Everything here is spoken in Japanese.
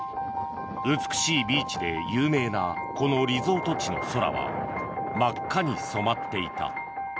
美しいビーチで有名なこのリゾート地の空は真っ赤に染まっていた。